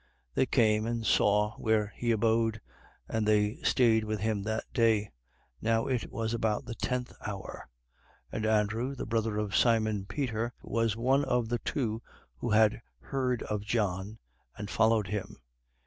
They came and saw where he abode: and they stayed with him that day. Now it was about the tenth hour. 1:40. And Andrew, the brother of Simon Peter, was one of the two who had heard of John and followed him.